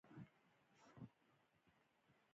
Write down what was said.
ایا ستاسو راپور به کره وي؟